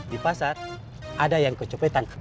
di pasar ada yang kecopetan